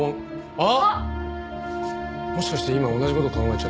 あっ。